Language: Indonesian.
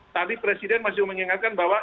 tadi presiden masih mengingatkan bahwa